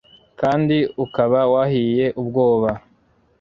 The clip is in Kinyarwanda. kandi ukaba wahiye ubwoba